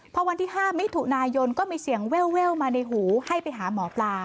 พอวันที่๕มิถุนายนก็มีเสียงแววมาในหูให้ไปหาหมอปลา